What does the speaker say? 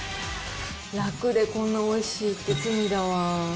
楽でこんなおいしいって、罪だわぁ。